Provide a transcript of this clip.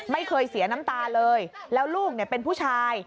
ไม่เคยเสียน้ำตาเลยแล้วลูกเป็นผู้ชาย